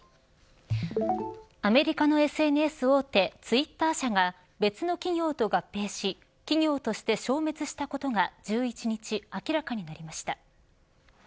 アメリカのＳＮＳ大手ツイッター社が別の企業と合併し企業として消滅したことが１１日、明らかになりました。